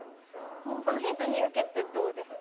このヒント２受けてどうですか？